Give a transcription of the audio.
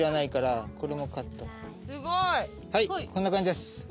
こんな感じです。